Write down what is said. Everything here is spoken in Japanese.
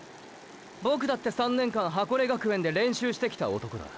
ボクだって３年間箱根学園で練習してきた男だ。